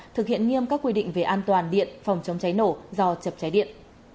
thực hiện nghiêm các quy định về an toàn điện phòng chống cháy nổ do chập cháy điện